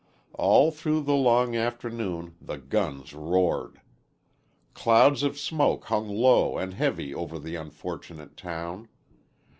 All through the long afternoon the guns roared. Clouds of smoke hung low and heavy over the unfortunate town.